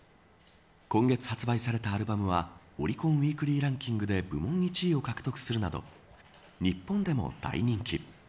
今月発売されたアルバムはオリコンウイークリーランキングで部門１位を獲得するなど日本でも大人気。